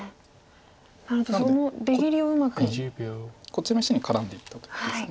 こっちの石に絡んでいったということです。